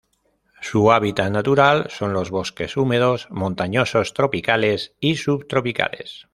Su hábitat natural son los bosques húmedos montañosos tropicales y subtropicales.